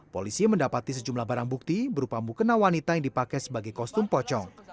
polisi mendapati sejumlah barang bukti berupa mukena wanita yang dipakai sebagai kostum pocong